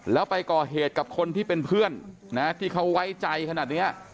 แล้วไปก่อเหตุกับคนที่เป็นเพื่อนนะที่เขาไว้ใจขนาดนี้